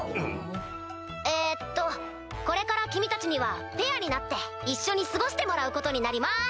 えっとこれから君たちにはペアになって一緒に過ごしてもらうことになります！